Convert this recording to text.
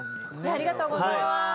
ありがとうございます。